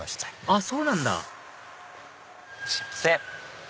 あっそうなんだすいません。